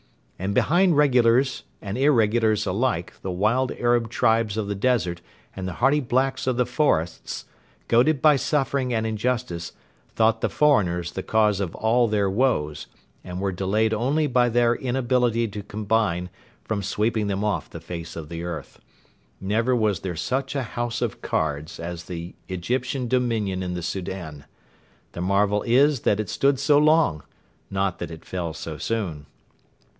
And behind regulars and irregulars alike the wild Arab tribes of the desert and the hardy blacks of the forests, goaded by suffering and injustice, thought the foreigners the cause of all their woes, and were delayed only by their inability to combine from sweeping them off the face of the earth. Never was there such a house of cards as the Egyptian dominion in the Soudan. The marvel is that it stood so long, not that it fell so soon.